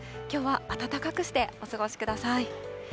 きょうは暖かくしてお過ごしください。